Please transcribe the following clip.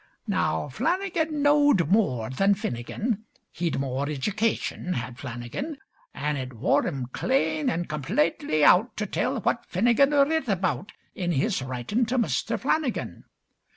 Now Flannigan knowed more than Finnigin He'd more idjucation, had Flannigan; An' it wore'm clane an' completely out To tell what Finnigin writ about In his writin' to Muster Flannigan.